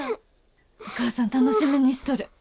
お母さん楽しみにしとる。